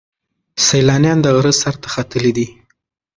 سیلانیان د غره سر ته ختلي دي.